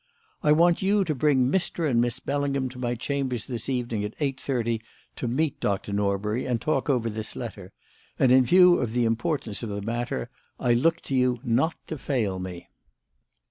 "I want you to bring Mr. and Miss Bellingham to my chambers this evening at 8.30, to meet Dr. Norbury and talk over this letter; and in view of the importance of the matter, I look to you not to fail me."